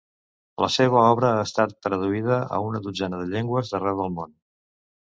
La seva obra ha estat traduïda a una dotzena de llengües d'arreu del món.